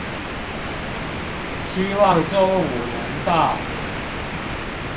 希望中午能到